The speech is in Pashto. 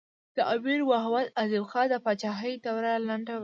د امیر محمد اعظم خان د پاچهۍ دوره لنډه وه.